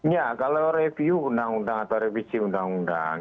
ya kalau review undang undang atau revisi undang undang